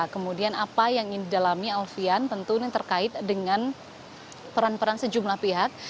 kemudian apa yang ingin didalami alfian tentu ini terkait dengan peran peran sejumlah pihak